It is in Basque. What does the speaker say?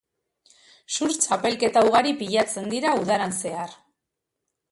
Surf txapelketa ugari pilatzen dira udaran zehar.